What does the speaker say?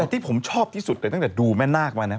แต่ที่ผมชอบที่สุดแต่ตั้งแต่ดูแม่นากมาเนี่ย